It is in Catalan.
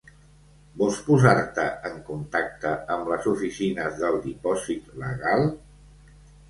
Vols posar-te en contacte amb les oficines del Dipòsit Legal?